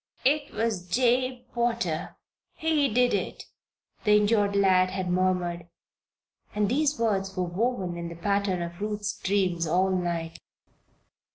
"It was Jabe Potter he did it," the injured lad had murmured, and these words were woven in the pattern of Ruth's dreams all night.